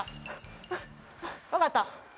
わかった。